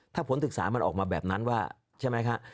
ถ้าผลศึกษามันออกมาแบบนั้นว่าใช่ไหมคะ